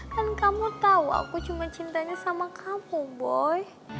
kan kamu tau aku cuman cintanya sama kamu boy